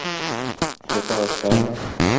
Super, তাই না?